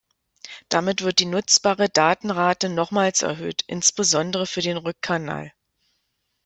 Damit wird die nutzbare Datenrate nochmals erhöht, insbesondere für den Rückkanal.